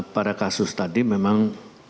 para kasus tadi memang